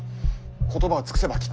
言葉を尽くせばきっと。